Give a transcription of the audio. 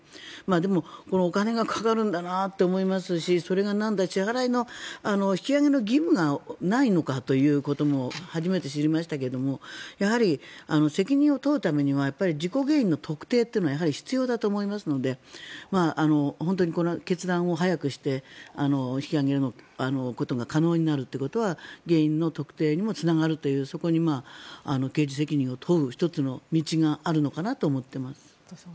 でも、お金がかかるんだなと思いますしそれがなんだ、支払いの引き揚げの義務がないのかということも初めて知りましたけどやはり、責任を問うためには事故原因の特定というのは必要だと思いますので本当に決断を早くして引き揚げることが可能になるということは原因の特定にもつながるというそこに刑事責任を問う１つの道があるのかなと思っています。